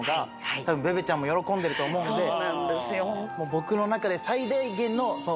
僕の中で。